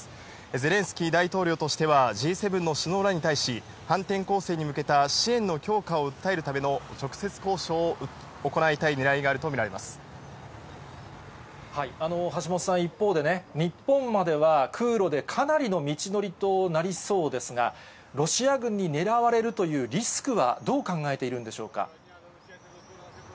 ゼレンスキー大統領としては、Ｇ７の首脳らに対し、反転攻勢に向けた支援の強化を訴えるための直接交渉を行いたいね橋本さん、一方で、日本までは空路でかなりの道のりとなりそうですが、ロシア軍に狙われるというリスクはどう考えているんでしょうか。